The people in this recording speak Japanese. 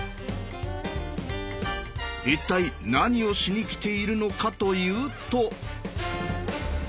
一体何をしに来ているのかというと。